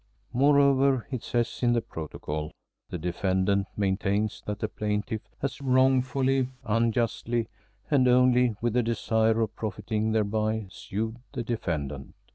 Moreover, it says in the protocol, the defendant maintains that the plaintiff has wrongfully, unjustly, and only with the desire of profiting thereby, sued the defendant.